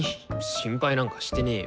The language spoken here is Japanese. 心配なんかしてねよ。